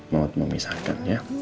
mau memisahkan ya